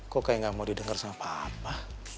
kok kayak gak mau didengar sama papa